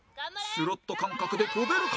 スロット感覚で跳べるか？